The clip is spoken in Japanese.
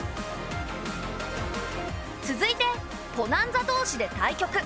続いてポナンザ同士で対局。